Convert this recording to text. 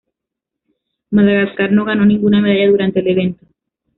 Madagascar no ganó ninguna medalla durante el evento.